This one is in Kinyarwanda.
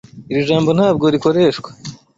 Iri jambo ntabwo rikoreshwa.